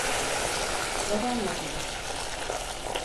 Babanla konuş.